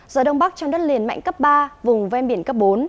gió đông bắc trong đất liền mạnh cấp ba vùng ven biển cấp bốn